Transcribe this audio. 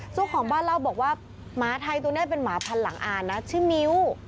เจ้าของบ้านเล่าบอกว่าหมาไทยตัวนี้เป็นหมาพันหลังอ่านนะชื่อมิ้ว